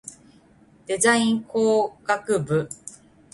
デザイン工学部